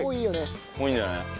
もういいんじゃない？